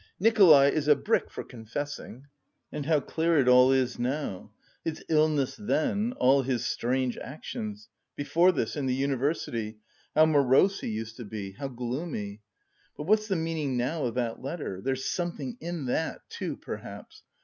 Nikolay is a brick, for confessing.... And how clear it all is now! His illness then, all his strange actions... before this, in the university, how morose he used to be, how gloomy.... But what's the meaning now of that letter? There's something in that, too, perhaps.